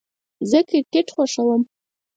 زه کرکټ خوښوم